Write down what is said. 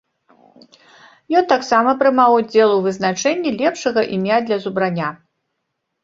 Ён таксама прымаў удзел у вызначэнні лепшага імя для зубраня.